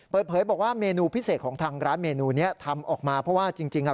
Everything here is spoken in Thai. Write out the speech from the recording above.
เปิดเผยบอกว่าเมนูพิเศษของทางร้านเมนูเนี้ยทำออกมาเพราะว่าจริงจริงอ่ะ